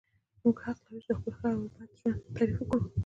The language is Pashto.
موږ حق لرو چې خپل ښه او بد ژوند تعریف کړو.